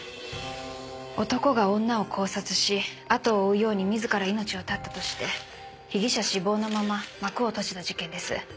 男が女を絞殺しあとを追うように自ら命を絶ったとして被疑者死亡のまま幕を閉じた事件です。